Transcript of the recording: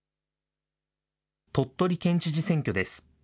鳥取県知事選挙です。